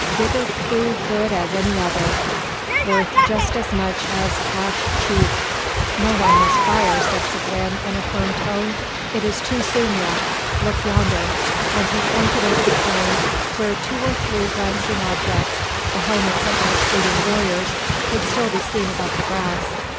"Digger plew good as any other; worth jest as much as 'Pash chief." "No one must fire," said Seguin, in a firm tone. "It is too soon yet; look yonder!" and he pointed over the plain, where two or three glancing objects, the helmets of the retreating warriors, could still be seen above the grass.